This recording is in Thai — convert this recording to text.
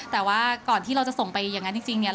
แต่ว่าก่อนที่เราจะส่งไปอย่างนั้นจริงเนี่ย